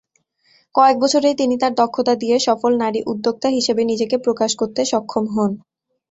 কয়েক বছরেই তিনি তার দক্ষতা দিয়ে সফল নারী উদ্যোক্তা হিসেবে নিজেকে প্রকাশ করতে সক্ষম হন।